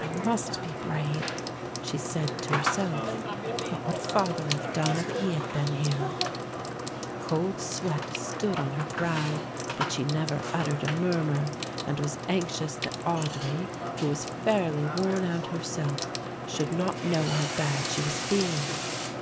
"I must be brave," she said to herself; "what would father have done if he had been here?" The cold sweat stood on her brow but she never uttered a murmur and was anxious that Audry, who was fairly worn out herself, should not know how bad she was feeling.